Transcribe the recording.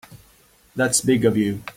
That's big of you.